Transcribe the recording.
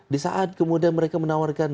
di saat kemudian mereka menawarkan